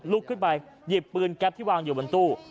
ขึ้นไปหยิบปืนแก๊ปที่วางอยู่บนตู้